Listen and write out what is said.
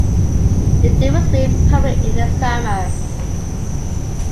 The deal was made permanent in the summer.